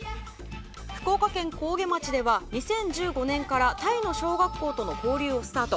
福岡県上毛町では２０１５年からタイの小学校との交流をスタート。